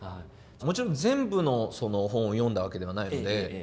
もちろん全部の本を読んだわけではないので。